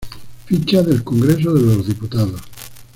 Ficha del Congreso de los Diputados.